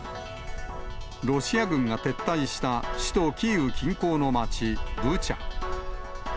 ロシア軍が撤退した首都キーウ近郊の街、ブチャ。